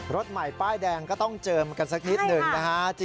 รถใหม่ป้ายแดงก็ต้องเจิมกันสักนิดหนึ่งนะฮะ